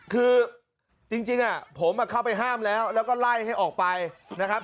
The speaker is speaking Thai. คือจริงผมเข้าไปห้ามแล้วแล้วก็ไล่ให้ออกไปนะครับ